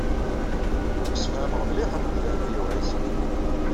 Ttemsefhameɣ mliḥ akked Dehbiya u Ɛisiw.